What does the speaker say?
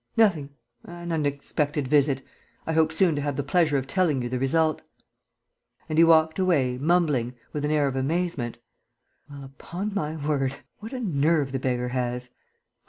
"Nothing ... an unexpected visit.... I hope soon to have the pleasure of telling you the result." And he walked away, mumbling, with an air of amazement: "Well, upon my word! What a nerve the beggar has!